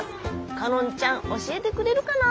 花音ちゃん教えてくれるかな？